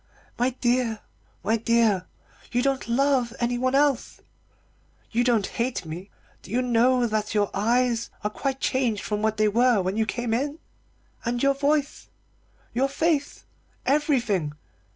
My dear, my dear, you don't love anyone else; you don't hate me. Do you know that your eyes are quite changed from what they were when you came in? And your voice, and your face everything.